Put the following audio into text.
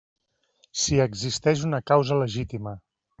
Si existeix una causa legítima.